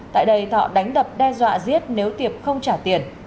tại đây thọ đánh đập đe dọa giết nếu tiệp không trả tiền